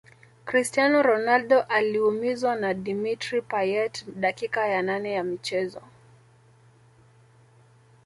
cristiano ronaldo aliumizwa na dimitr payet dakika ya nane ya mchezo